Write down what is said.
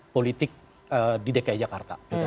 politik di dki jakarta